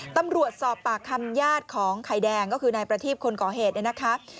ตำรวจสอบปากคำญาติของไข่แดงก็คือนายประทีบคนก่อเหตุเนี่ยนะคะ